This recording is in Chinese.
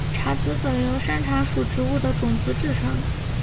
茶籽粉由山茶属植物的种子制成。